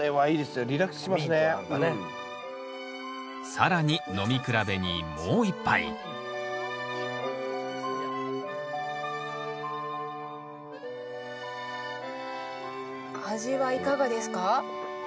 更に飲み比べにもう一杯味はいかがですか？